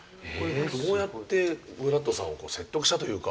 どうやってブラッドさんをこう説得したというか。